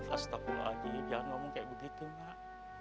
astaghfirullahaladzim jangan ngomong kayak begitu mak